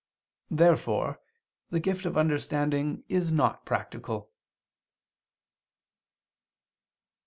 Therefore the gift of understanding is not practical.